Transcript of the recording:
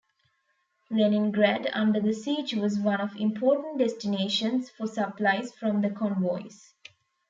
Leningrad under the siege was one of important destinations for supplies from the convoys.